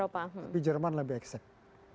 tapi jerman lebih accept